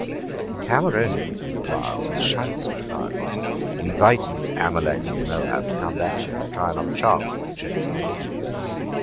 The Cameronians meanwhile, with shouts of defiance, invited Amalek and Moab to come back and to try another chance with the chosen people.